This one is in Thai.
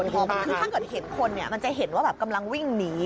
คือถ้าเกิดเห็นคนเนี่ยมันจะเห็นว่าแบบกำลังวิ่งหนี